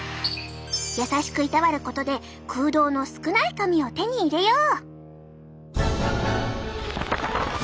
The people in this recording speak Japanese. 優しくいたわることで空洞の少ない髪を手に入れよう！